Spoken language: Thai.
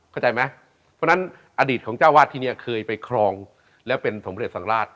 เพราะฉะนั้นอดีตของเจ้าวาดที่นี่เคยไปคลองแล้วเป็นสมเด็จพระสังฆราช